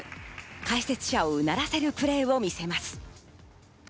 解説者をうならせるプレーを見せます。